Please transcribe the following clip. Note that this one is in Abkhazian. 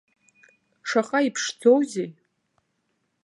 Шаҟа иԥшӡоузеи!